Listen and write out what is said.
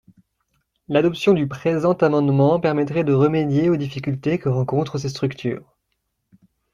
L’adoption du présent amendement permettrait de remédier aux difficultés que rencontrent ces structures.